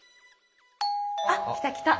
あ来た来た。